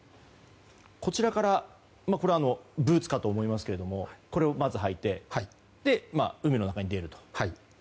こちらはブーツかと思いますがこれをまずは履いて海の中に出ると。